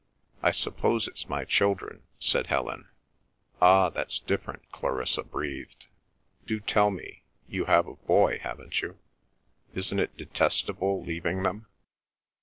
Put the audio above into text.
"I suppose it's my children," said Helen. "Ah—that's different," Clarissa breathed. "Do tell me. You have a boy, haven't you? Isn't it detestable, leaving them?"